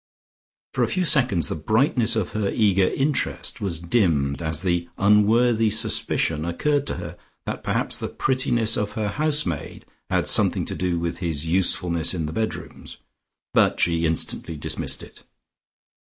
For a few seconds the brightness of her eager interest was dimmed as the unworthy suspicion occurred to her that perhaps the prettiness of her housemaid had something to do with his usefulness in the bedrooms, but she instantly dismissed it.